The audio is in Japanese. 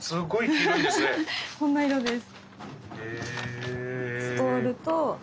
こんな色です。